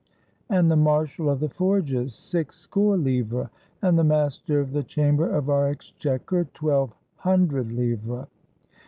And the marshal of the forges, six score livres! And the master of the chamber of our exchequer, twelve hundred livres!